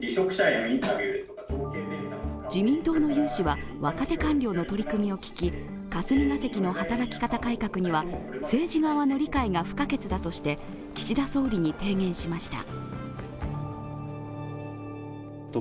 自民党の有志は若手官僚の取り組みを聞き、霞が関の働き方改革には政治側の理解が不可欠だとして岸田総理に提言しました。